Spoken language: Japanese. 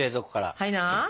はいな。